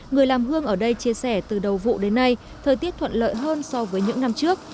người làm hương ở đây chia sẻ từ đầu vụ đến nay thời tiết thuận lợi hơn so với những năm trước